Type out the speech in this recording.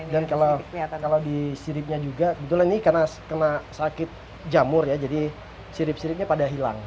dan kalau di siripnya juga kebetulan ini karena sakit jamur ya jadi sirip siripnya pada hilang